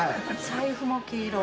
財布も黄色。